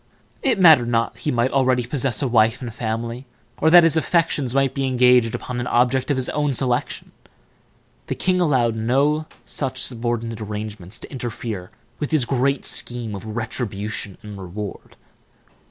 It mattered not that he might already possess a wife and family, or that his affections might be engaged upon an object of his own selection; the king allowed no such subordinate arrangements to interfere with his great scheme of retribution and reward.